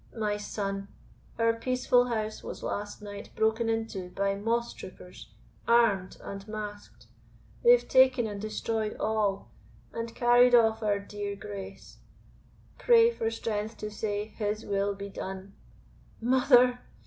My son, our peaceful house was last night broken into by moss troopers, armed and masked; they have taken and destroyed all, and carried off our dear Grace. Pray for strength to say, His will be done!" "Mother!